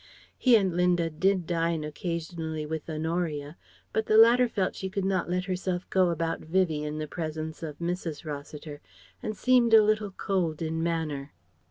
He and Linda did dine occasionally with Honoria, but the latter felt she could not let herself go about Vivie in the presence of Mrs. Rossiter and seemed a little cold in manner.